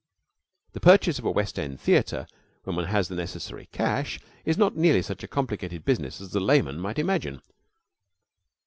The purchase of a West end theater, when one has the necessary cash, is not nearly such a complicated business as the layman might imagine.